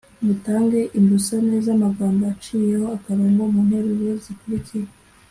mutange imbusane z’amagambo aciyeho akarongo mu nteruro zikurikira